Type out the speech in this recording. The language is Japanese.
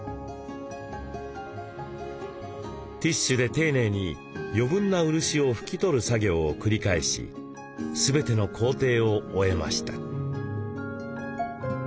ティッシュで丁寧に余分な漆を拭き取る作業を繰り返し全ての工程を終えました。